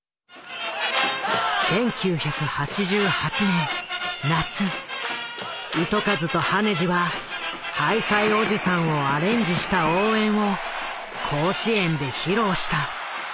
１９８８年夏糸数と羽地は「ハイサイおじさん」をアレンジした応援を甲子園で披露した。